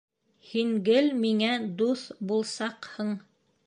Һин гел миңә дуҫ булсаҡһың.